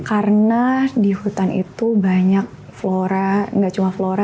karena di hutan itu banyak flora gak cuma flora